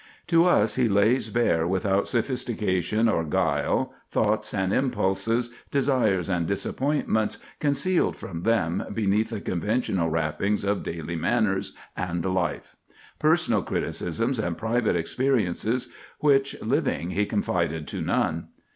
To us he lays bare without sophistication or guile thoughts and impulses, desires and disappointments, concealed from them beneath the conventional wrappings of daily manners and life—personal criticisms and private experiences which, living, he confided to none.